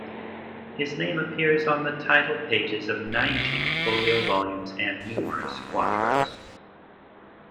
His name appears on the title-pages of ninety folio volumes and numerous quartos.